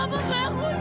tapi allah anjing